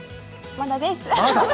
まだです。